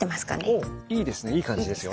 おおいいですねいい感じですよ。